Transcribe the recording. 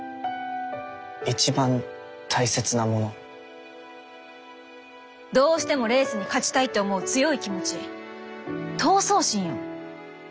いちばん大切なもの？どうしてもレースに勝ちたいって思う強い気持ち闘争心よ！